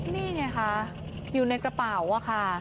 นี่ไงคะอยู่ในกระเป๋าอะค่ะ